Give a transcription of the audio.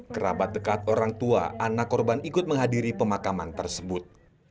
kerabat dekat orang tua anak korban ikut menghadiri pemakaman tersebut